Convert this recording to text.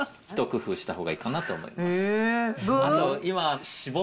一工夫したほうがいいかなと思います。